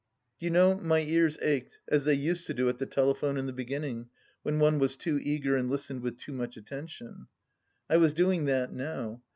... Do you know, my ears ached, as they used to do at the telephone in the beginning, when one was too eager and listened with too much attention. I was doing that now.